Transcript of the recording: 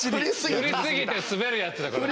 フリすぎてスベるやつだこれ。